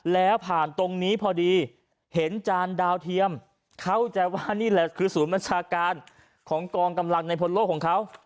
แล้วผ่านตรงนี้พอดีเห็นจานดาวเทียมเข้าใจว่านี่แหละคือศูนย์บัญชาการของกองกำลังในพลโลกของเขา